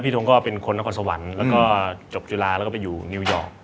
ทงก็เป็นคนนครสวรรค์แล้วก็จบจุฬาแล้วก็ไปอยู่นิวยอร์ก